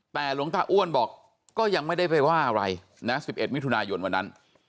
แต่หลวงตาอ้วนบอกก็ยังไม่ได้ไปว่าอะไรนะ๑๑มิถุนายนวันนั้น